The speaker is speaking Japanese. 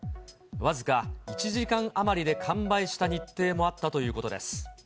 僅か１時間余りで完売した日程もあったということです。